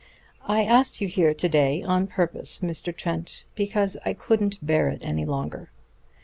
I asked you here to day on purpose, Mr. Trent, because I couldn't bear it any longer.